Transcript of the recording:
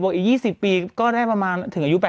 อีก๒๐ปีก็ได้ประมาณถึงอายุ๘๐